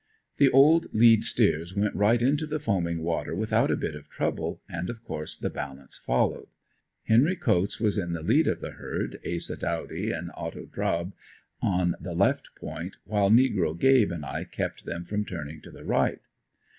The old lead steers went right into the foaming water without a bit of trouble and of course the balance followed. Henry Coats was in the lead of the herd, Asa Dawdy and Otto Draub on the left point, while negro "Gabe" and I kept them from turning to the right.